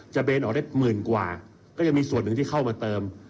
เบนออกได้หมื่นกว่าก็ยังมีส่วนหนึ่งที่เข้ามาเติม